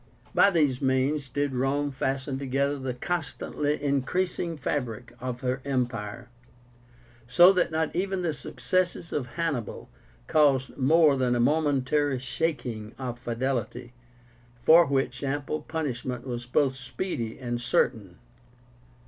By these means did Rome fasten together the constantly increasing fabric of her empire, so that not even the successes of Hannibal caused more than a momentary shaking of fidelity, for which ample punishment was both speedy and certain.